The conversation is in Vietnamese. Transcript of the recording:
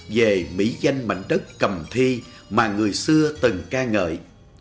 về mỹ danh mạnh đất cầm thi mà người xưa từng ca ngợi